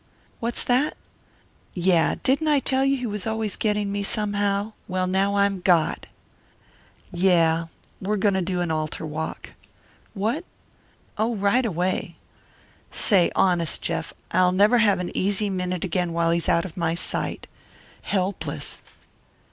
What's that? Yeah. Didn't I tell you he was always getting me, somehow? Well, now I'm got. Yeah. We're gonna do an altar walk. What? Oh, right away. Say, honest, Jeff, I'll never have an easy minute again while he's out of my sight. Helpless!